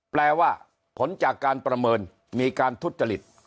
แปลว่าผลจากการประเมินมีการทุจริต